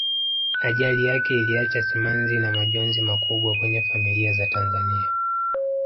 ajali yake iliacha simanzi na majonzi makubwa kwenye familia za tanzania